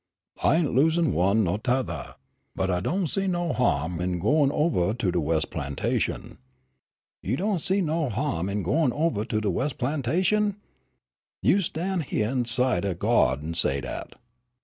"I ain' losin' one ner 'tothah, but I do' see no ha'm in gwine ovah to de wes' plantation." "You do' see no ha'm in gwine ovah to de wes' plantation! You stan' hyeah in sight o' Gawd an' say dat?"